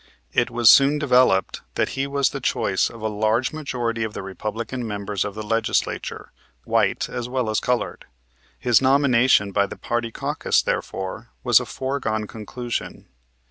It was soon developed that he was the choice of a large majority of the Republican members of the Legislature, white as well as colored. His nomination by the party caucus, therefore, was a foregone conclusion.